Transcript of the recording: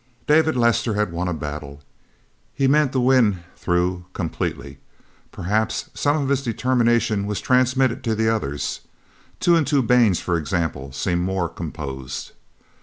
David Lester had won a battle. He meant to win through, completely. Perhaps some of this determination was transmitted to the others. Two and Two Baines, for example, seemed more composed.